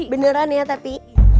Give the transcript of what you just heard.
beneran ya tapi